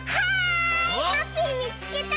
ハッピーみつけた！